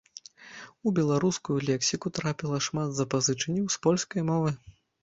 У беларускую лексіку трапіла шмат запазычанняў з польскай мовы.